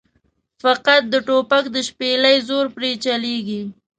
فقط د توپک د شپېلۍ زور پرې چلېږي.